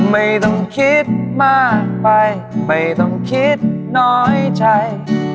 ไม่ต้องคิดมากไปไม่ต้องคิดน้อยใจ